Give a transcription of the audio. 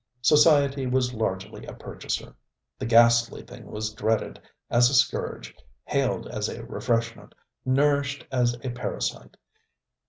Society was largely a purchaser. The ghastly thing was dreaded as a scourge, hailed as a refreshment, nourished as a parasite.